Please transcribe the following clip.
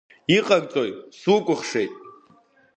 Иҟарҵои, сукәыхшеит?